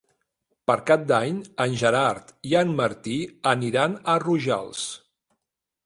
Per Cap d'Any en Gerard i en Martí aniran a Rojals.